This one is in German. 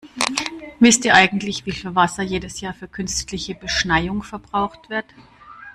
Wisst ihr eigentlich, wie viel Wasser jedes Jahr für künstliche Beschneiung verbraucht wird?